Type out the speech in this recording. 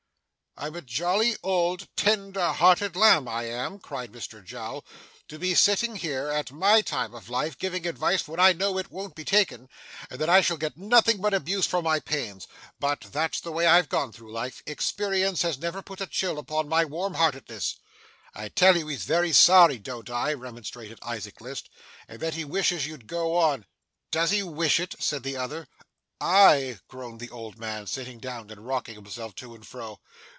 'I'm a jolly old tender hearted lamb, I am,' cried Mr Jowl, 'to be sitting here at my time of life giving advice when I know it won't be taken, and that I shall get nothing but abuse for my pains. But that's the way I've gone through life. Experience has never put a chill upon my warm heartedness.' 'I tell you he's very sorry, don't I?' remonstrated Isaac List, 'and that he wishes you'd go on.' 'Does he wish it?' said the other. 'Ay,' groaned the old man sitting down, and rocking himself to and fro.